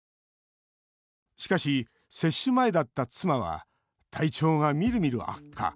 しかし、接種前だった妻は体調が、みるみる悪化。